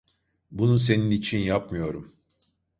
Bunu senin için yapmıyorum.